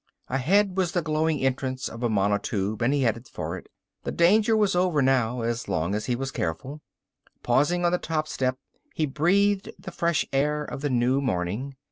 Ahead was the glowing entrance of a monotube and he headed for it. The danger was over now, as long as he was careful. Pausing on the top step, he breathed the fresh air of the new morning.